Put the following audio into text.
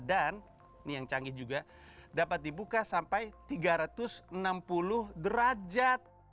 dan ini yang canggih juga dapat dibuka sampai tiga ratus enam puluh derajat